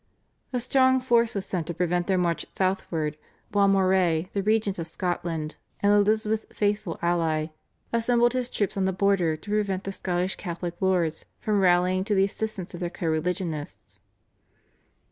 A strong force was sent to prevent their march southward, while Moray, the regent of Scotland and Elizabeth's faithful ally, assembled his troops on the border to prevent the Scottish Catholic lords from rallying to the assistance of their co religionists.